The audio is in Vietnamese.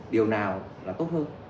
điều nào là tốt hơn